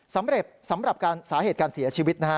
สำหรับสาเหตุการเสียชีวิตนะฮะ